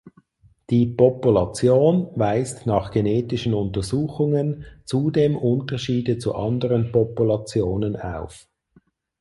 Die Population weist nach genetischen Untersuchungen zudem Unterschiede zu anderen Populationen auf.